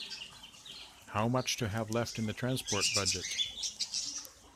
How much to have left in the transport budget?